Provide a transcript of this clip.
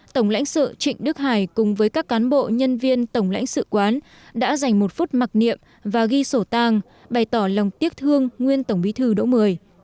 tổng lãnh sự trịnh đức hải cùng với các cán bộ nhân viên tổng lãnh sự quán đã dành một phút mặc niệm và ghi sổ tang bày tỏ lòng tiếc thương nguyên tổng bí thư đỗ mười